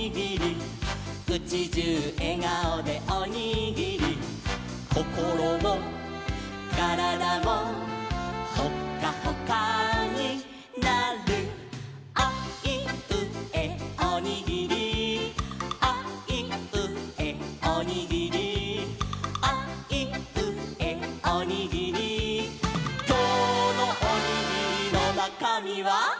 「うちじゅうえがおでおにぎり」「こころもからだも」「ホッカホカになる」「あいうえおにぎり」「あいうえおにぎり」「あいうえおにぎり」「きょうのおにぎりのなかみは？」